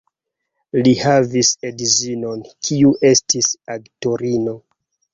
Li havis edzinon, kiu estis aktorino.